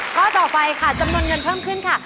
ข้อต่อไปค่ะจำนวนเงินเพิ่มขึ้นค่ะ